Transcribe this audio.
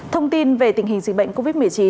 thông tin về tình hình dịch bệnh covid một mươi chín